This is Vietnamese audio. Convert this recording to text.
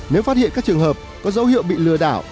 nếu phát hiện các trường hợp có dấu hiệu bị lừa đảo